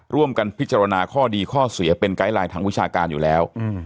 ร่วมกันพิจารณาข้อดีข้อเสียเป็นไกด์ไลน์ทางวิชาการอยู่แล้ว